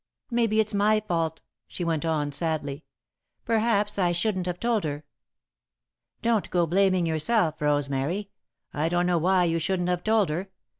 Maybe it's my fault," she went on, sadly. "Perhaps I shouldn't have told her." "Don't go to blaming yourself, Rosemary. I don't know why you shouldn't have told her.